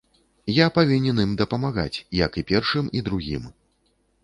Я павінен ім дапамагаць, як і першым і другім.